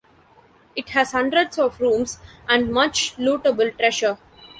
It has hundreds of rooms and much lootable treasure.